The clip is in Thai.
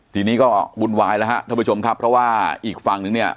ทีนี้ก็วุ่นวายแล้วฮะท่านผู้ชมครับเพราะว่าอีกฝั่งนึงเนี่ย